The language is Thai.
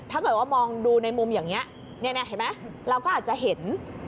ถ้าเกิดว่ามองดูในมุมอย่างนี้เห็นไหมเราก็อาจจะเห็น